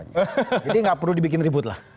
jadi tidak perlu dibikin ribut